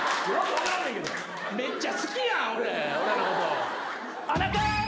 めっちゃ好きやん俺らのこと。